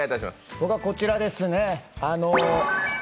僕はこちらですね。